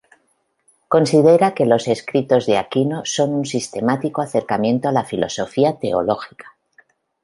Considera que los escritos de Aquino son un sistemático acercamiento a la filosofía teológica.